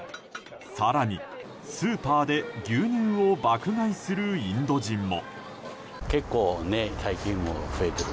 更に、スーパーで牛乳を爆買いするインド人も。